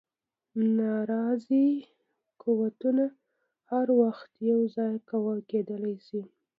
ناراضي قوتونه هر وخت یو ځای کېدلای شي.